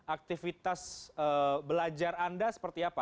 aktivitas belajar anda seperti apa